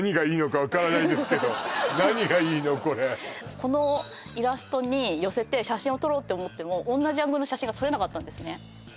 このイラストに寄せて写真を撮ろうって思っても同じアングルの写真が撮れなかったんですね